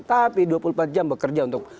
tapi dua puluh empat jam bekerja untuk prabowo sandi